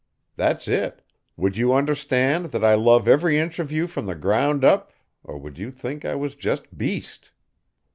That's it would you understand that I love every inch of you from the ground up or would you think I was just beast?